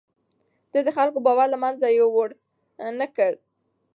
ده د خلکو باور له منځه يووړ نه کړ.